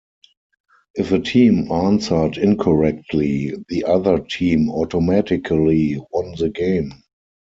If a team answered incorrectly, the other team automatically won the game.